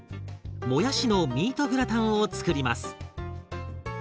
もやしのミートグラタンを作ります。